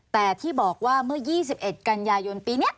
แต่ที่บอกว่าเมื่อ๒๑กันยายนปีนี้